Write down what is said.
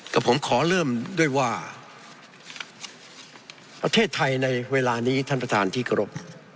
กับผมขอเริ่มด้วยว่าประเทศไทยในเวลานี้ท่านประธานที่กรบ